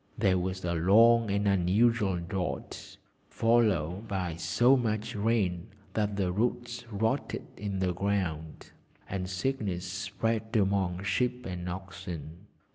There was a long and unusual drought, followed by so much rain that the roots rotted in the ground, and sickness spread amongst sheep and oxen.